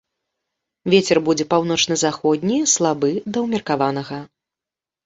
Вецер будзе паўночна-заходні, слабы да ўмеркаванага.